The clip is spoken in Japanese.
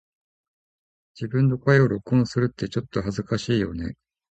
自分の声を録音するってちょっと恥ずかしいよね🫣